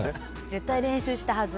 絶対練習したはず。